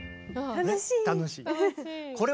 楽しいね。